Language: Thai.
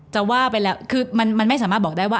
จะว่าไปแล้วคือมันไม่สามารถบอกได้ว่า